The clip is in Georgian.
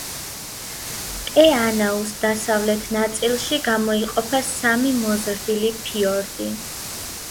ტე-ანაუს დასავლეთ ნაწილში გამოიყოფა სამი მოზრდილი ფიორდი.